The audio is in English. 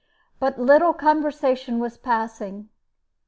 But little conversation was passing.